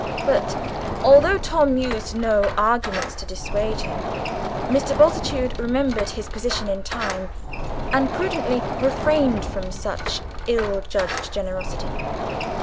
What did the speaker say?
But although Tom used no arguments to dissuade him, Mr. Bultitude remembered his position in time, and prudently refrained from such ill judged generosity.